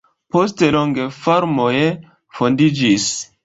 Poste longe farmoj fondiĝis.